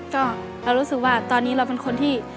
ก็เรารู้สึกว่าตอนนี้เราเป็นคนที่